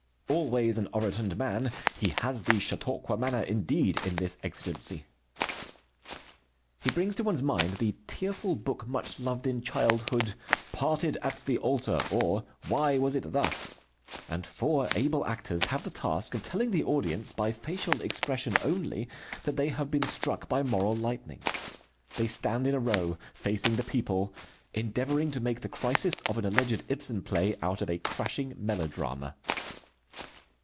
Always an orotund man, he has the Chautauqua manner indeed in this exigency. He brings to one's mind the tearful book, much loved in childhood, Parted at the Altar, or Why Was it Thus? And four able actors have the task of telling the audience by facial expression only, that they have been struck by moral lightning. They stand in a row, facing the people, endeavoring to make the crisis of an alleged Ibsen play out of a crashing melodrama.